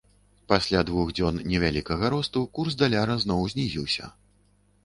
Пасля двух дзён невялікага росту курс даляра зноў знізіўся.